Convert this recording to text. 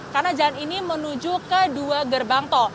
karena jalan ini menuju ke dua gerbang tol